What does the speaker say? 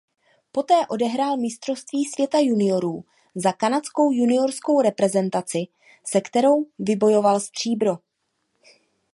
Poté odehrál mistrovství světa juniorů za kanadskou juniorskou reprezentaci se kterou vybojoval stříbro.